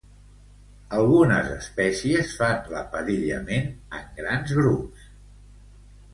Algunes espècies fan l'aparellament en grans grups.